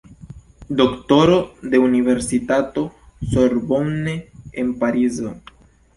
Doktoro de Universitato Sorbonne en Parizo.